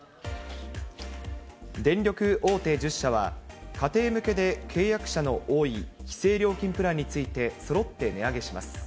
電力大手１０社は、家庭向けで契約者の多い規制料金プランについて、そろって値上げします。